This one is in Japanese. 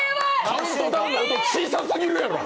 カウントダウンの音、小さすぎるだろ！